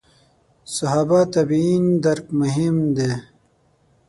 صحابه تابعین درک مهم دي.